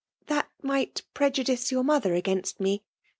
" That might prejudice your mother against me.